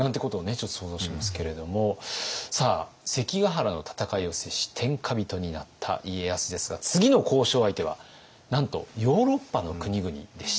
ちょっと想像しますけれどもさあ関ヶ原の戦いを制し天下人になった家康ですが次の交渉相手はなんとヨーロッパの国々でした。